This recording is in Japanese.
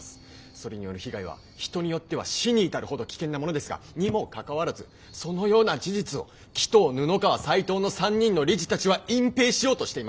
それによる被害は人によっては死に至るほど危険なものですがにもかかわらずそのような事実を鬼頭布川斎藤の３人の理事たちは隠蔽しようとしていました。